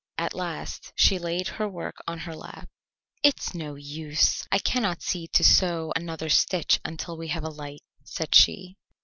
At last she laid her work on her lap. "It's no use, I cannot see to sew another stitch until we have a light," said she.